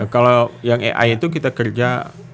kalau yang ai itu kita kerja